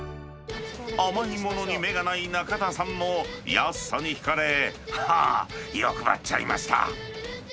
甘いものに目がない中田さんも、安さに引かれ、はぁ、欲張っちゃいました。